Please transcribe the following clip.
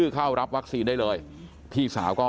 พี่สาวของเธอบอกว่ามันเกิดอะไรขึ้นกับพี่สาวของเธอ